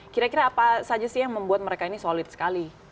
kira kira apa saja sih yang membuat mereka ini solid sekali